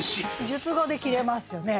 述語で切れますよね。